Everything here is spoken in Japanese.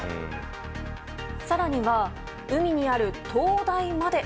更には、海にある灯台まで。